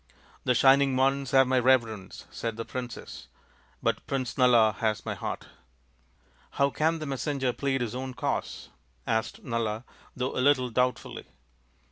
" The Shining Ones have my reverence," said the princess, " but Prince Nala has my heart." " How can the messenger plead his own cause ?" asked Nala, though a little doubtfully.